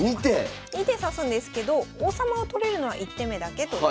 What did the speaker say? ２手指すんですけど王様を取れるのは１手目だけという感じです。